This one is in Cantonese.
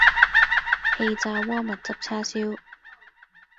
氣炸鍋蜜汁叉燒